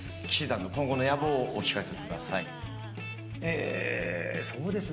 氣志團の今後の野望をお聞かせください。